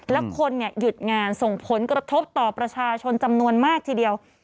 แล้วคนหยุดงานส่งผลกระทบต่อประชาชนจำนวนมากทีเดียว